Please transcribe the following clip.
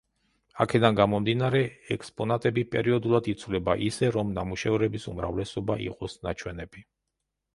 აქედან გამომდინარე, ექსპონატები პერიოდულად იცვლება ისე, რომ ნამუშევრების უმრავლესობა იყოს ნაჩვენები.